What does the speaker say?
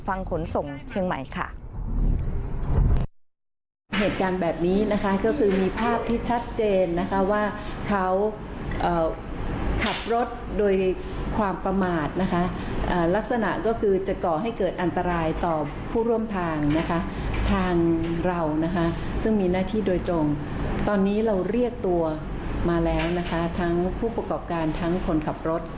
ขนส่งเชียงใหม่ค่ะ